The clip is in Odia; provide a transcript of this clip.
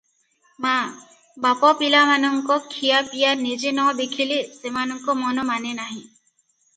ମା- ବାପ ପିଲାମାନଙ୍କ ଖିଆ ପିଆ ନିଜେ ନଦେଖିଲେ ସେମାନଙ୍କ ମନ ମାନେ ନାହିଁ ।